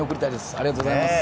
ありがとうございます。